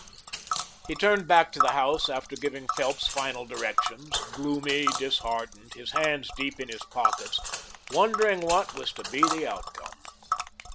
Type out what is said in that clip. He turned back to the house after giving Phelps final directions, gloomy, disheartened, his hands deep in his pockets, wondering what was to be the outcome.